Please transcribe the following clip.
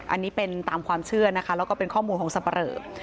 อันนี้เป็นตามความเชื่อนะคะแล้วก็เป็นข้อมูลของสับปะเหลอ